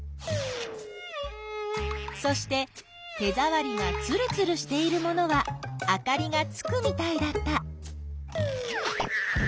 そして手ざわりがつるつるしているものはあかりがつくみたいだった。